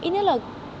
ít nhất là